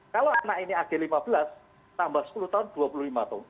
kalau anak ini ag lima belas tambah sepuluh tahun dua puluh lima tahun